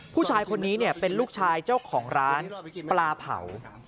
ผู้ชายคนนี้เป็นลูกชายเจ้าของร้านปลาเผา